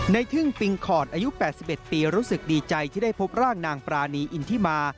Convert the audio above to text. ทึ่งปิงคอร์ดอายุ๘๑ปีรู้สึกดีใจที่ได้พบร่างนางปรานีอินทิมา